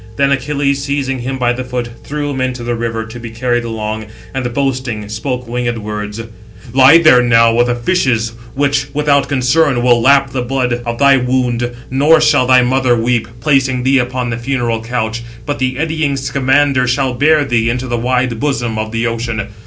Then Achilles, seizing him by the foot, threw him into the river, to be carried along, and, boasting, spoke winged words: "Lie there now with the fishes, 673 which, without concern, will lap the blood of thy wound; nor shall thy mother 674 weep, placing thee upon the funeral couch, but the eddying Scamander shall bear thee into the wide bosom of the ocean.